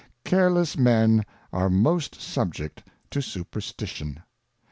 Careless Men aremoatsiibject to Superstition.